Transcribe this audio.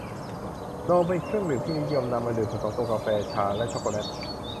นม เป็นเครื่องดื่มที่นิยมนำมาดื่มผสมกับกาแฟ ชา และช็อคโกแล็ต